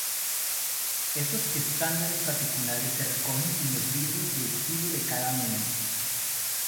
Estos estándares particulares se recogen en los libros de estilo de cada medio.